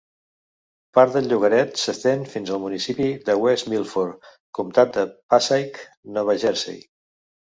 Part del llogarret s'estén fins al municipi de West Milford, comtat de Passaic, Nova Jersey.